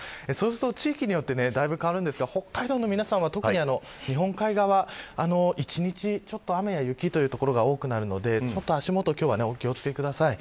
地域によってだいぶ変わりますが北海道の皆さんは特に日本海側は一日、雨や雪という所が多いので足元にお気を付けください。